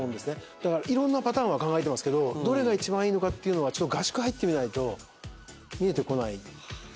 だから色んなパターンは考えてますけどどれが一番いいのかっていうのは合宿入ってみないと見えてこない。